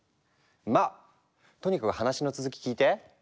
まあとにかく話の続き聞いて！